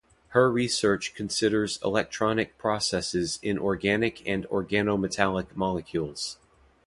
Her research considers electronic processes in organic and organometallic molecules.